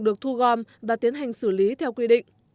được thu gom và tiến hành xử lý theo quy định